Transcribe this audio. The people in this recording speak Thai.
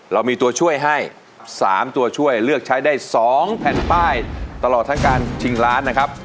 เรามีตัวช่วยให้๓ตัวช่วยเลือกใช้ได้๒แผ่นป้ายตลอดทั้งการชิงล้านนะครับ